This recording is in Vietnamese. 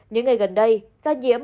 những ngày gần đây ca nhiễm